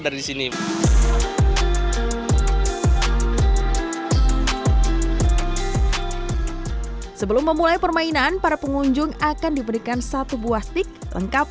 dari sini sebelum memulai permainan para pengunjung akan diberikan satu buah stick lengkap